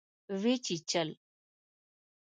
وچیچل